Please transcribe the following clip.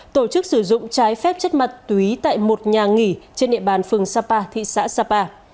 tổ chức sử dụng trái phép chất ma túy tại một nhà nghỉ trên địa bàn phường sapa thị xã sapa